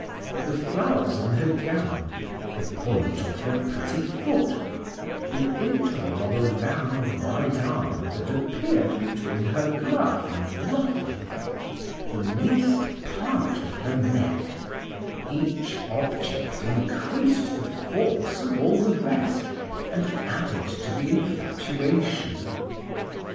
the flowers on her gown, the point of her pretty foot, the interval of a round white arm that appeared between her glove and ruffle, the least part of her neck, each object increased the force of all the rest, and added to the infatuation.